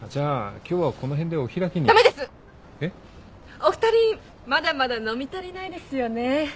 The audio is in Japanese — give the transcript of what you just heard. お二人まだまだ飲み足りないですよね？